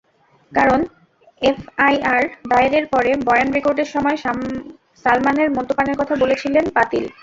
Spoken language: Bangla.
কারণ, এফআইআর দায়েরের পরে বয়ান রেকর্ডের সময় সালমানের মদ্যপানের কথা বলেছিলেন পাতিল।